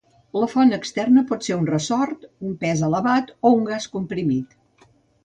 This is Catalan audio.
La font externa pot ser un ressort, un pes elevat, o un gas comprimit.